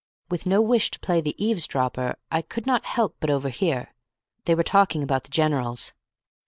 With no wish to play the eavesdropper, I could not help but overhear. They were talking about the generals.